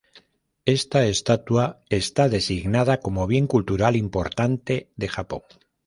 Esta estatua está designada como Bien Cultural Importante de Japón.